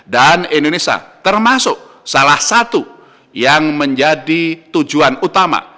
dan indonesia termasuk salah satu yang menjadi tujuan utama